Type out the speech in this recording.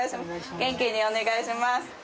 元気にお願いします。